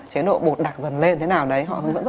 chế độ bột đặc dần lên thế nào đấy